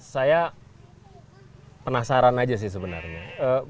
saya penasaran aja sih sebenarnya